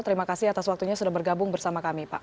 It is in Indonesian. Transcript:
terima kasih atas waktunya sudah bergabung bersama kami pak